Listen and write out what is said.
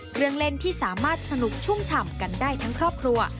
เล่นที่สามารถสนุกชุ่มฉ่ำกันได้ทั้งครอบครัว